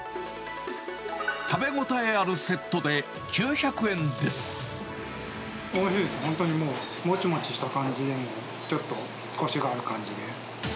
食べ応えあるセットで、おいしいです、本当にもう、もちもちした感じで、ちょっとこしがある感じで。